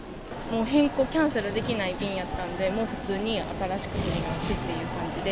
変更、キャンセルできない便やったんで、もう普通に新しく取り直しっていう感じで。